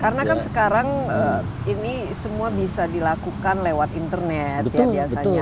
karena kan sekarang ini semua bisa dilakukan lewat internet ya biasanya